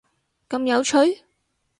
咁有趣？！